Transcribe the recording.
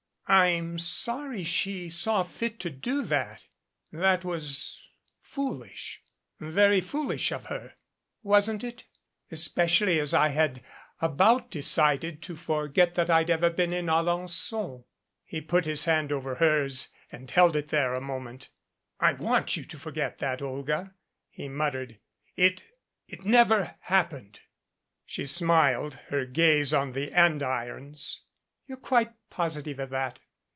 "I'm sorry she saw fit to do that. That was foolish very foolish of her." "Wasn't it? Especially as I had about decided to forget that I'd ever been in Alenfon " 283 MADCAP He put his hand over hers and held it there a moment. "I want you to forget that, Olga," he muttered. "It it never happened." She smiled, her gaze on the andirons. "You're quite positive of that?"